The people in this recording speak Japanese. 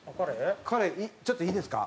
彼ちょっといいですか？